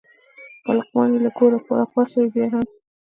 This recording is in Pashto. که لقمان یې له ګوره راپاڅوې بیا هم.